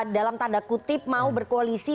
dalam tanda kutip mau berkoalisi